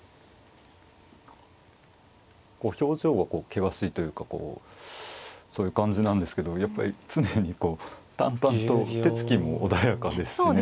こう表情は険しいというかこうそういう感じなんですけどやっぱり常にこう淡々と手つきも穏やかですしね。